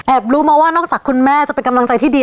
รู้มาว่านอกจากคุณแม่จะเป็นกำลังใจที่ดี